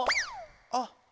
あっ。